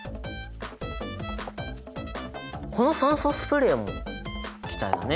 この酸素スプレーも気体だね！